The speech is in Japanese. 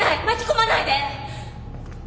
巻き込まないで！